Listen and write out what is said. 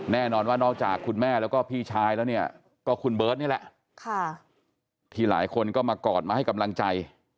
แน่นอนว่านอกจากคุณแม่แล้วก็พี่ชายแล้วเนี่ยก็คุณเบิร์ตนี่แหละที่หลายคนก็มากอดมาให้กำลังใจ